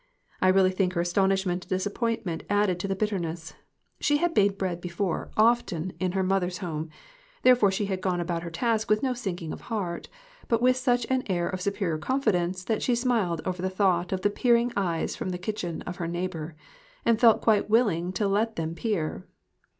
I really think her astonishment and disappointment added to the bitterness. She had made bread before often in 1 8 MIXED THINGS. her mother's home ; therefore she had gone about her task with no sinking of heart, but with such an air of superior confidence that she smiled over the thought of the peering eyes from the kitchen of her neighbor, and felt quite willing to let them peer.